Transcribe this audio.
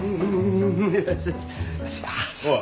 おい。